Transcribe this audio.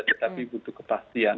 tetapi butuh kepastian